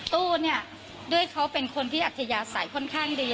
ตู้เนี่ยด้วยเขาเป็นคนที่อัธยาศัยค่อนข้างดี